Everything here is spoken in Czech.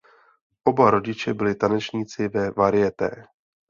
Oba rodiče byli tanečníci ve varieté.